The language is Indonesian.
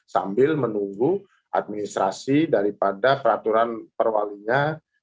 sambil menunggu administrasi daripada peraturan perwalinya